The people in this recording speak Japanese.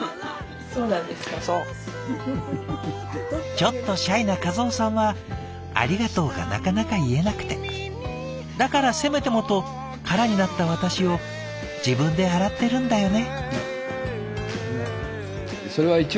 「ちょっとシャイな和雄さんはありがとうがなかなか言えなくてだからせめてもと空になった私を自分で洗ってるんだよね」。